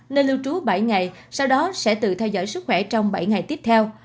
nơi lưu trú bảy ngày sau đó sẽ tự theo dõi sức khỏe trong bảy ngày tiếp theo